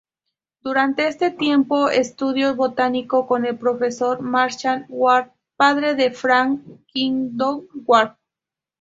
Durante ese tiempo estudió botánica con el Profesor Marshal Ward, padre de Frank Kingdon-Ward.